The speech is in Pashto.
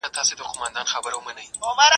چي د نړۍ روښانه کول ستاسي په وس کي دي